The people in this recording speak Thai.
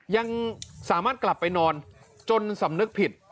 ยังสามารถกลับไปนอนจนสำนึกผิด